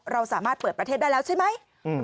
เราสามารถเปิดประเทศได้แล้วใช่ไหม